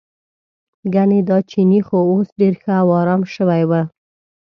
ګنې دا چینی خو اوس ډېر ښه او ارام شوی و.